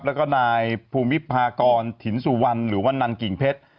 แล้วก็นายภูมิภากรถินสุวรรณหรือว่านันกิ่งเพชร